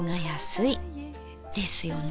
ですよね？